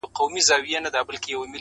• چي تر كلكو كاڼو غاښ يې وي ايستلى,